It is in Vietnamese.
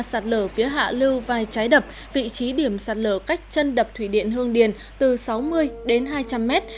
sạt lở phía hạ lưu vài trái đập vị trí điểm sạt lở cách chân đập thủy điện hương điền từ sáu mươi đến hai trăm linh mét